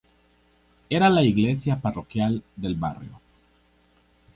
Era la iglesia parroquial del barrio.